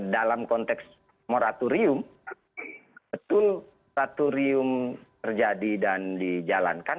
dalam konteks moratorium betul moratorium terjadi dan dijalankan